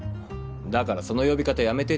だからその呼び方やめてって。